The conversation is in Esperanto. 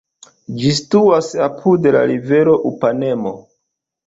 Ĝi situas apud la rivero Upanemo.